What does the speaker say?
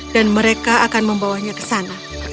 dan mereka akan membawanya ke sana